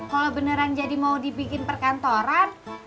kalau beneran jadi mau dibikin perkantoran